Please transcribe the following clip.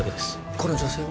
この女性は？